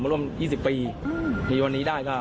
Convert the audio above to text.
เมื่อรวม๒๐ปีมีวันนี้ได้ครับ